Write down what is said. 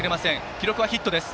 記録はヒットです。